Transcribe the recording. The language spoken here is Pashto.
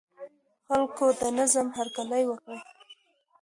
خلکو د نظام هرکلی وکړ.